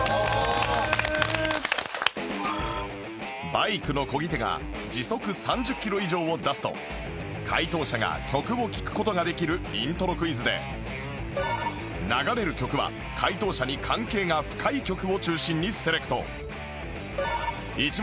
バイクの漕ぎ手が時速３０キロ以上を出すと解答者が曲を聴く事ができるイントロクイズで流れる曲は解答者に関係が深い曲を中心にセレクト